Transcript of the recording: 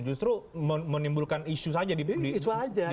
justru menimbulkan isu saja di masyarakat